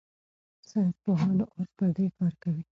ساینسپوهان اوس پر دې کار کوي.